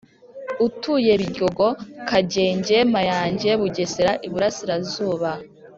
utuye Biryogo Kagenge Mayange Bugesera Iburasirazuba